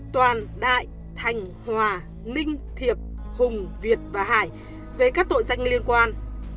toàn đại thành hòa ninh thiệp hùng việt và hải về các tội danh liên quan